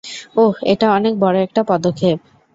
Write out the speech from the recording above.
ওহ, এটা অনেক বড় একটা পদক্ষেপ।